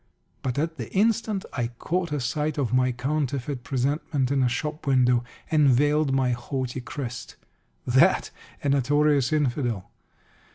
But at the instant I caught a sight of my counterfeit presentment in a shop window, and veiled my haughty crest. That a notorious Infidel!